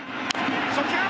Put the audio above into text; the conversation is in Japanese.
初球。